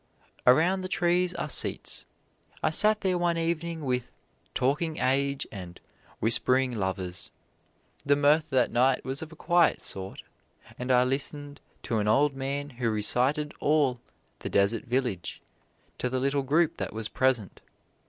Around the trees are seats. I sat there one evening with "talking age" and "whispering lovers." The mirth that night was of a quiet sort, and I listened to an old man who recited all "The Deserted Village" to the little group that was present.